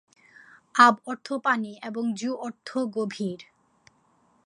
আব অর্থ পানি এবং জু অর্থ গভীর।